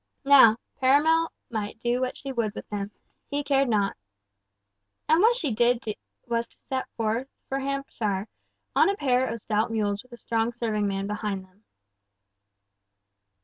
Now, Perronel might do what she would with him—he cared not. And what she did was to set forth with him for Hampshire, on a pair of stout mules with a strong serving man behind them.